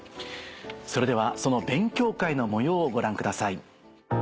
それではその勉強会の模様をご覧ください。